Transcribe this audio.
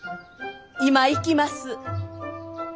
今行きます。